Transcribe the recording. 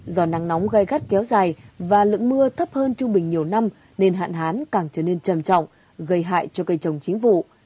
do nắng nóng gai gắt kéo dài và lượng mưa thấp hơn trung bình nhiều năm nên hạn hán càng trở nên trầm trọng gây hại cho cây trồng chính vụ